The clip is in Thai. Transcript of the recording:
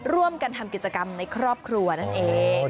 ร่วมกันทำกิจกรรมในครอบครัวนั่นเอง